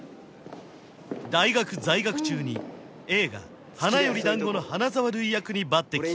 大学在学中に映画「花より男子」の花沢類役に抜擢